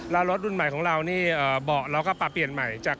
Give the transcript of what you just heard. แล้วรถรุ่นใหม่ของเรานี่เบาะเราก็ปรับเปลี่ยนใหม่จาก